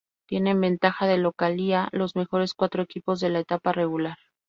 Tienen ventaja de localía los mejores cuatro equipos de la etapa regular.